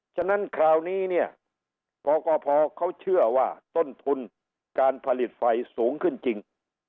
ฉะนั้นคราวนี้เนี่ยกกพเขาเชื่อว่าต้นทุนการผลิตไฟสูงขึ้นจริง